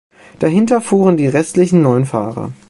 Dahinter fuhren die restlichen neun Fahrer.